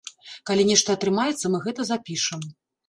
Калі нешта атрымаецца, мы гэта запішам.